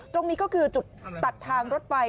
ตรงนี้ก็คือจุดตัดทางรถไฟ